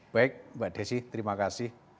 baik mbak desi terima kasih